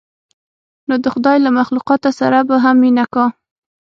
نو د خداى له مخلوقاتو سره به هم مينه کا.